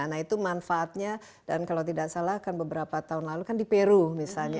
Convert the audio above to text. nah itu manfaatnya dan kalau tidak salah kan beberapa tahun lalu kan di peru misalnya